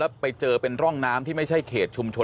แล้วไปเจอเป็นร่องน้ำที่ไม่ใช่เขตชุมชน